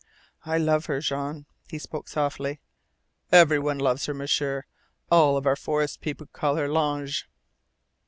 "I love her, Jean," he spoke softly. "Every one loves her, M'sieur. All our forest people call her 'L'Ange.'"